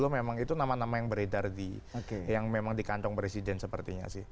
memang itu nama nama yang beredar di yang memang di kantong presiden sepertinya sih